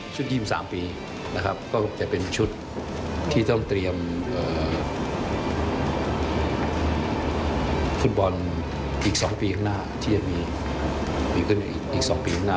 ชุดยิ่ม๓ปีก็จะเป็นชุดที่ต้องเตรียมคุณบอลอีก๒ปีข้างหน้า